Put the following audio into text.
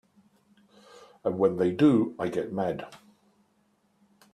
And when they do I get mad.